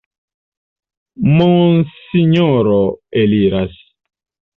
Monsinjoro eliras!